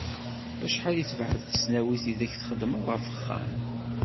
Acḥal i tebεed tesnawit ideg txeddmeḍ ɣef uxxam?